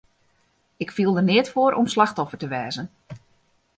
Ik fiel der neat foar om slachtoffer te wêze.